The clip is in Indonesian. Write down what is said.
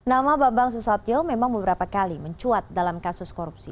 nama bambang susatyo memang beberapa kali mencuat dalam kasus korupsi